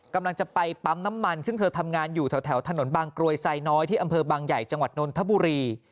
กำลังจะไปปั๊มน้ำมันซึ่งเธอทำงานอยู่แถวถนนบางกรวยไซน้อยที่อำเภอบางใหญ่จังหวัดนนทบุรี